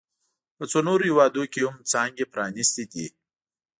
په څو نورو هېوادونو کې هم څانګې پرانیستي دي